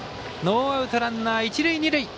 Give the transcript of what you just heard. ノーアウト、ランナー、一塁二塁。